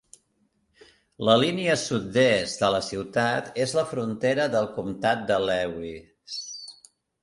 La línia sud-est de la ciutat és la frontera del comptat de Lewis.